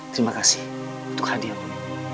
terima kasih untuk hadiahmu